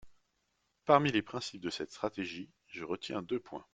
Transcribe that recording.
Parmi les principes de cette stratégie, je retiens deux points.